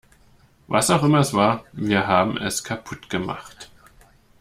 Was auch immer es war, wir haben es kaputt gemacht.